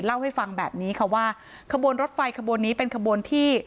เล่าให้ฟังแบบนี้ค่ะว่ากระบวนรถไฟกระบวนนี้เป็นกระบวนที่๒๕๘